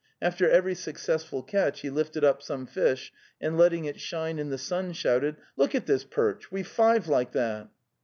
After every suc cessful catch he lifted up some fish, and letting it shine in the sun, shouted: "Look at this perch! We've five like that!